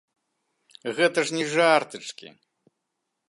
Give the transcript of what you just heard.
Гэта ж не жартачкі!